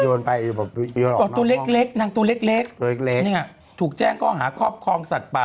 โยนไปโยนออกนอกนั่งตัวเล็กนี่ไงถูกแจ้งก้องหาครอบครองสัตว์ป่า